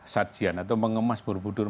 sajian atau mengemas burbudur